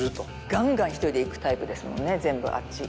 ガンガン１人でいくタイプですもんね全部あっち。